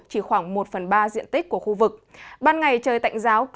chỉ khoảng một phần ba diện tích của khu vực